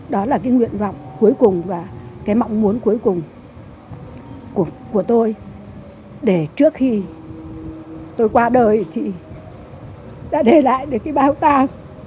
đó là cái nguyên vọng cuối cùng và cái mong muốn cuối cùng của tôi để trước khi tôi qua đời thì đã để lại được cái bảo tàng